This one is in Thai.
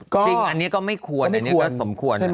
จริงอันนี้ก็ไม่ควรอันนี้ก็สมควร